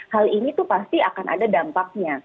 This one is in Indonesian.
hal ini tuh pasti akan ada dampaknya